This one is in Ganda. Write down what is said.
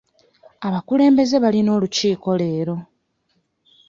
Abakulembeze balina olukiiko leero.